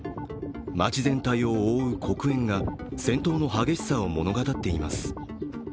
街全体を覆う黒煙が戦闘の激しさを物語っています。